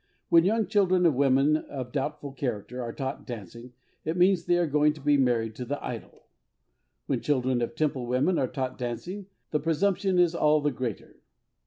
When young children of women of doubtful character are taught dancing, it means they are going to be married to the idol. When children of Temple women are taught dancing the presumption is all the greater.